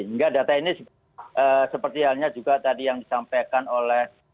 sehingga data ini seperti halnya juga tadi yang disampaikan oleh